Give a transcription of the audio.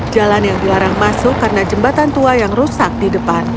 jalan yang dilarang masuk karena jembatan tua yang rusak di depan